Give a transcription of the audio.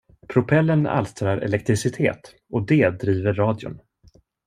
Propellern alstrar elektricitet, och det driver radion.